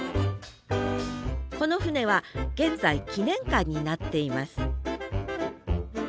この船は現在記念館になっています。